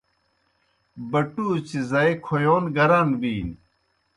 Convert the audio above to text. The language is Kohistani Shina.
بَٹُوڅِیْ زائی کھویون گران بِینیْ۔